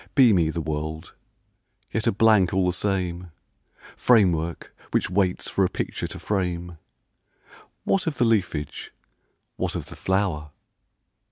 Beamy the world, yet a blank all the same, Framework which waits for a picture to frame: What of the leafage, what of the flower?